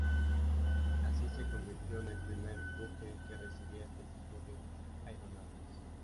Así se convirtió en el primer buque que recibía este tipo de aeronaves.